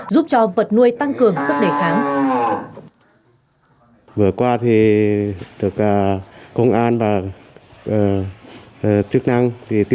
giúp cho vật nuôi tăng cường sức đề kháng